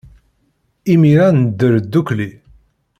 Imir-a, nedder ddukkli.